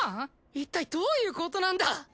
いったいどういうことなんだ！